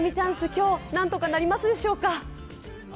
今日、何とかなりますでしょうか。